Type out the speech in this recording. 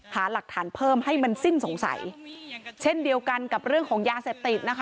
หาหลักฐานเพิ่มให้มันสิ้นสงสัยเช่นเดียวกันกับเรื่องของยาเสพติดนะคะ